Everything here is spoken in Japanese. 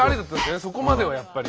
そこまではやっぱり。